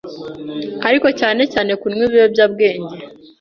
ariko cyane cyane kunywa ibiyobyabwenge.